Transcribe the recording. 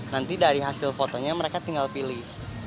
nanti dari hasil fotonya mereka tinggal pilih